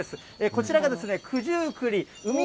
こちらが九十九里うみ